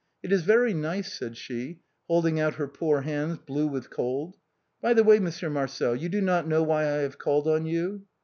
" It is very nice," said she, holding out her poor hands blue with cold. " By the way. Monsieur Marcel, you do not know why I have called on you